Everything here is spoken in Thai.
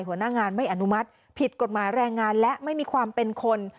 หัวหน้างานไม่อนุมัติผิดกฎหมายแรงงานและไม่มีความเป็นคน